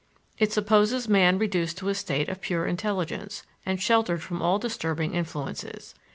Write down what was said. It supposes man reduced to a state of pure intelligence, and sheltered from all disturbing influences.